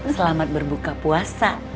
selamat berbuka puasa